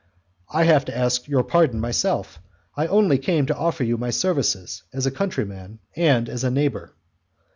"I have to ask your pardon myself. I only come to offer you my services, as a countryman and as a neighbour."